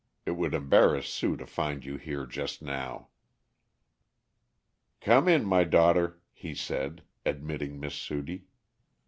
It would embarrass Sue to find you here just now." "Come in my daughter," he said, admitting Miss Sudie.